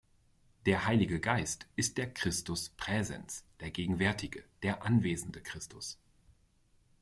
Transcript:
Der Heilige Geist ist der "Christus praesens", der gegenwärtige, der anwesende Christus.